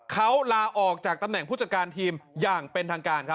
เขาลาออกจากตำแหน่งผู้จัดการทีมอย่างเป็นทางการ